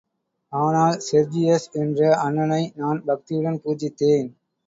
ஆனால் செர்ஜியஸ் என்ற அண்ணனை நான் பக்தியுடன் பூஜித்தேன்.